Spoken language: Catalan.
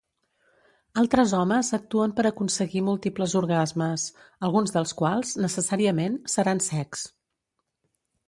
Altres homes actuen per aconseguir múltiples orgasmes, alguns dels quals, necessàriament, seran secs.